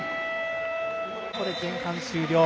これで前半終了。